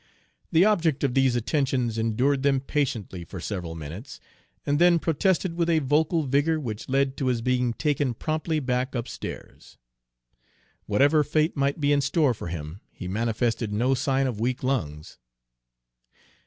The object of these attentions endured them patiently for several minutes, and then protested with a vocal vigor which led to his being taken promptly back upstairs. Whatever fate might be in store for him, he manifested no sign of weak lungs.